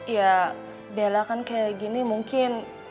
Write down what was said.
ya bella kan kayak gini mungkin